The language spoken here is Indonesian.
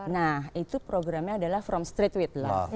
nah itu programnya adalah from street with love